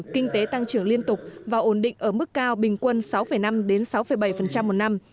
kinh tế tăng trưởng liên tục và ổn định ở mức cao bình quân sáu năm sáu bảy một năm